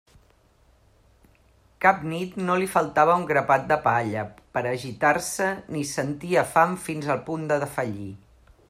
Cap nit no li faltava un grapat de palla per a gitar-se ni sentia fam fins al punt de defallir.